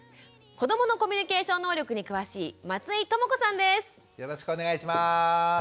子どものコミュニケーション能力に詳しいよろしくお願いします。